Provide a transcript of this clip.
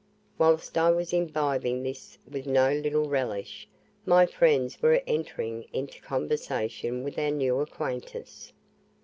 Whilst I was imbibing this with no little relish, my friends were entering into conversation with our new acquaintance.